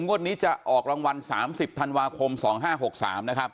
งวดนี้จะออกรางวัล๓๐ธันวาคม๒๕๖๓นะครับ